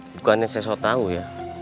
bukannya saya sudah tahu ya